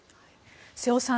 瀬尾さん